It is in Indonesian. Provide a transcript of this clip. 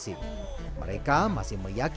ini sangat keren